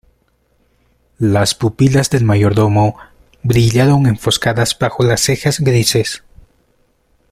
las pupilas del mayordomo brillaron enfoscadas bajo las cejas grises: